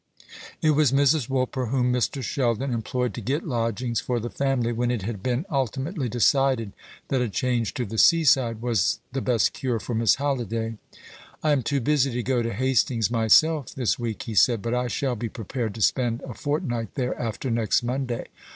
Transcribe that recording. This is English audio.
It was Mrs. Woolper whom Mr. Sheldon employed to get lodgings for the family, when it had been ultimately decided that a change to the seaside was the best cure for Miss Halliday. "I am too busy to go to Hastings myself this week," he said; "but I shall be prepared to spend a fortnight there after next Monday.